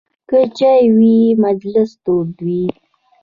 که چای وي، مجلس تود وي.